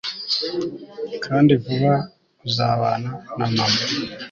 kandi vuba uzabana na mama